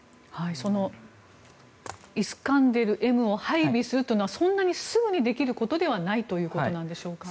そのイスカンデルＭを配備するというのはそんなにすぐにできることではないということなんでしょうか？